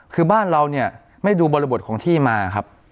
คือบ้านเราเนี่ยไม่ดูบริบทของที่มาครับ